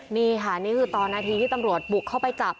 นี่ค่ะนี่คือตอนนาทีที่ตำรวจบุกเข้าไปจับ